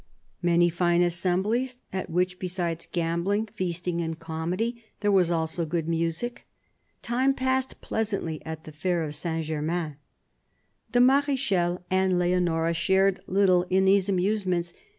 " Many fine assemblies, at which, besides gambling, feasting, and comedy, there was also good music. Time passed pleasantly at the Fair of Saint Germain." The Mar^chal and Leonora shared little in these amuse ments.